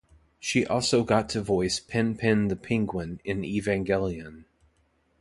She also got to voice Pen-Pen the penguin in "Evangelion".